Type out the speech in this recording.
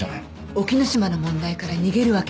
沖野島の問題から逃げるわけにはいかないの。